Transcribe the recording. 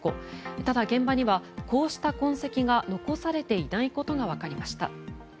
ただ現場にはこうした痕跡が残されていないことが分かりました。